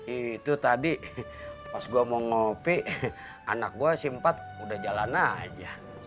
itu tadi pas gue mau ngopi anak gue simpat udah jalan aja